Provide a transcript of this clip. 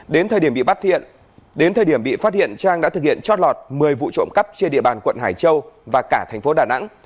đến thời điểm bị phát hiện trang đã thực hiện trót lọt một mươi vụ trộm cắp trên địa bàn quận hải châu và cả thành phố đà nẵng